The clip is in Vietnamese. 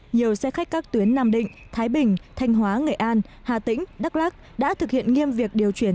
nhiều xe khách các tuyến nam định thái bình thanh hóa nghệ an hà tĩnh đắk lắc đã thực hiện nghiêm việc điều chuyển